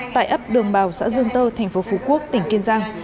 tại ấp đường bào xã dương tơ tp phú quốc tỉnh kiên giang